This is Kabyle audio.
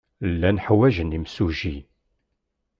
Llan ḥwajen imsujji.